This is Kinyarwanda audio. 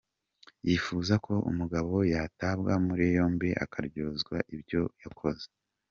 Yifuza ko umugabo yatabwa muri yombi akaryozwa ibyo yakoze.